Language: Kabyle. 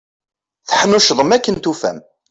Teḥnuccḍem akken tufam.